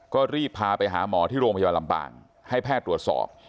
ก็รีบพาไปหาหมอที่โรงพยาบาลลำปางให้แพทย์ตรวจสอบ